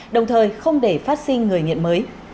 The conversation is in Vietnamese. đồng thời không để phát sinh người nghiện mới